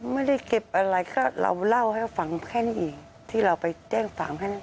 ไม่ได้เก็บอะไรก็เราเล่าให้ฟังแค่นี้เองที่เราไปแจ้งความแค่นั้น